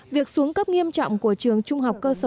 việc xuống cấp nghiêm trọng của trường trung học cơ sở